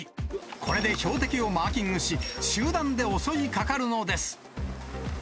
これで標的をマーキングし、集団で襲いかかるのです。